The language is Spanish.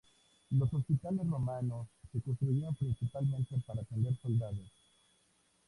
Los hospitales romanos, se construyeron principalmente para atender soldados.